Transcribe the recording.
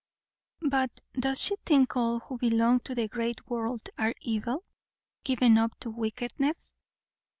"But does she think all who belong to the 'great world' are evil? given up to wickedness?"